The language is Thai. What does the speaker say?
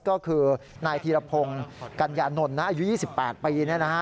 ก็คือนายธีรพงศ์กัญญานนท์อายุ๒๘ปี